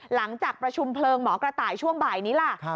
หลังจากประชุมเพลิงหมอกระต่ายช่วงบ่ายนี้ล่ะ